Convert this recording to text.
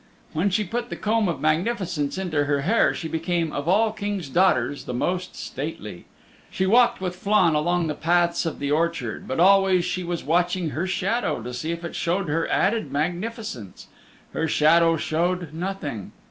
When she put the Comb of Magnificence into her hair she became of all Kings' daughters the most stately. She walked with Flann along the paths of the orchard, but always she was watching her shadow to see if it showed her added magnificence. Her shadow showed nothing.